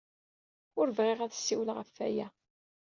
Ur bɣiɣ ad d-ssiwleɣ ɣef waya.